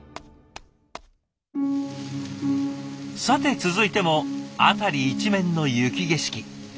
さて続いても辺り一面の雪景色。